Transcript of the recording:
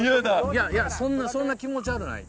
いやいやそんな気持ち悪ない。